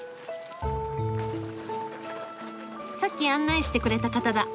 さっき案内してくれた方だ。